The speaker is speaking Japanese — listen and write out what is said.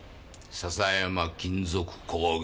笹山金属工業。